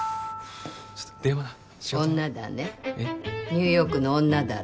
ニューヨークの女だろ？